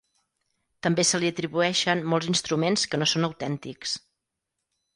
També se li atribueixen molts instruments que no són autèntics.